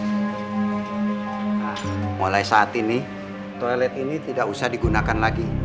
nah mulai saat ini toilet ini tidak usah digunakan lagi